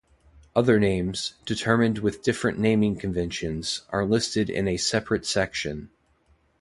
Other names, determined with different naming conventions, are listed in a separate section.